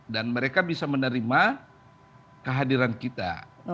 dan mereka bisa menerima kehadiran kita